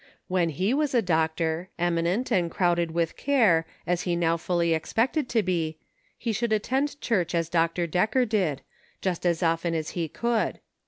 When he was a doctor, eminent, and crowded with care, as he now fully expected to be, he should at tend church as Dr. Decker did, just as often as he could.